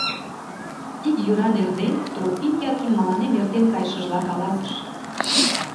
Ик йӱран эрден Тропин Яким мыланем эртен кайышыжла каласыш: